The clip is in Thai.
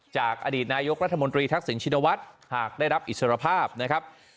จากอดีตนายกรัฐมนตรีทักษิณชินวัฒน์หากได้รับอิสรภาพนะครับ